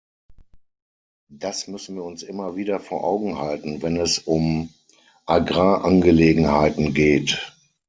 Das müssen wir uns immer wieder vor Augen halten, wenn es um Agrarangelegenheiten geht.